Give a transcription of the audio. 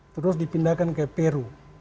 terus dipindahkan ke peru